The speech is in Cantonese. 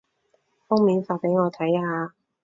封面發畀我睇下